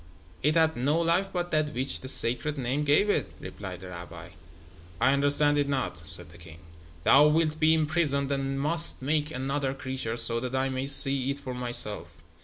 "It had no life but that which the Sacred Name gave it," replied the rabbi. "I understand it not," said the king. "Thou wilt be imprisoned and must make another creature, so that I may see it for myself.